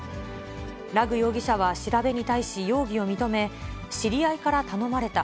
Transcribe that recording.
ラグ容疑者は調べに対し、容疑を認め、知り合いから頼まれた。